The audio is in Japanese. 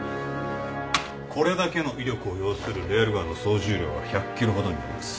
これだけの威力を要するレールガンの総重量は １００ｋｇ ほどになります。